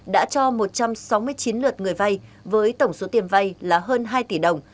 đã cho một trăm sáu mươi chín lượt người vay với tổng số tiền vay là hơn hai tỷ đồng